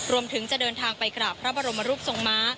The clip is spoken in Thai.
รวมถึงจะเดินทางไปกราบพระบรมรูปทรงม้า